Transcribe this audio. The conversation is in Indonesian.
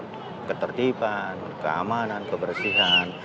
ikut menjaga ketertiban keamanan kebersihan